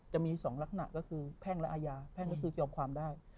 จะมี๒ลักษณะก็คือแพ่งและอาญาแพ่งก็คือเตรียมความได้